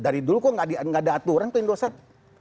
dari dulu kok nggak ada aturan tuh indosat